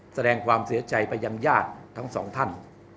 แสดงความเสียใจไปยังญาติทั้งสองท่าน